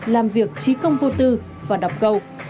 làm việc trí công vô tư và đọc câu